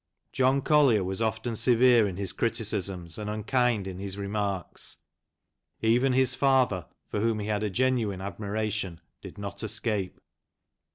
John Collier was often severe in his criticisms, and unkind in his remarks. Even his father, for whom he had a genuine admiration, did not escape.